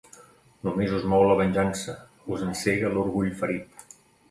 Només us mou la venjança, us encega l’orgull ferit.